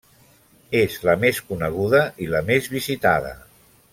És la més coneguda i la més visitada.